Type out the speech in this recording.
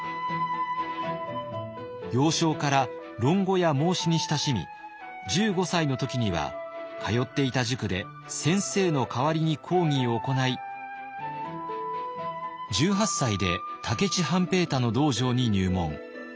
幼少から論語や孟子に親しみ１５歳の時には通っていた塾で先生の代わりに講義を行い１８歳で武市半平太の道場に入門。